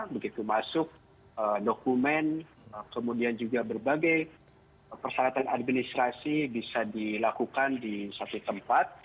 begitu masuk dokumen kemudian juga berbagai persyaratan administrasi bisa dilakukan di satu tempat